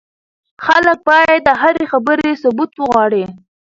خلک بايد د هرې خبرې ثبوت وغواړي.